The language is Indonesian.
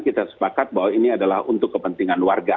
kita sepakat bahwa ini adalah untuk kepentingan warga